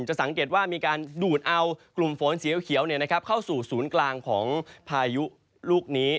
จะสังเกตว่ามีการดูดเอากลุ่มฝนสีเขียวเข้าสู่ศูนย์กลางของพายุลูกนี้